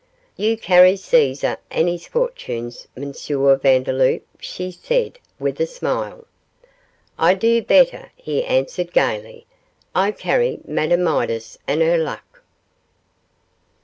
'You carry Caesar and his fortunes, M. Vandeloup,' she said, with a smile. 'I do better,' he answered, gaily, 'I carry Madame Midas and her luck.